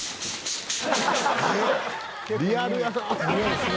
リアルやな。